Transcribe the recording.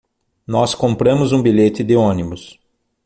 Nós compramos um bilhete de ônibus